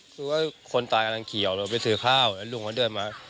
คือว่าคนตายกำลังขี่ออกไปถือข้าวแล้วลุงเขาเดินมา